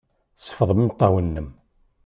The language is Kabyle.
Sfeḍ imeṭṭawen-nnem.